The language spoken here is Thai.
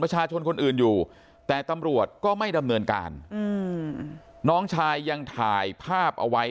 ประชาชนคนอื่นอยู่แต่ตำรวจก็ไม่ดำเนินการอืมน้องชายยังถ่ายภาพเอาไว้